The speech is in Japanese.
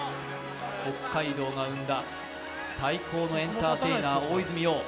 北海道が生んだ最高のエンターテイナー、大泉洋。